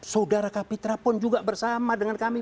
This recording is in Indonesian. saudara kapitra pun juga bersama dengan kami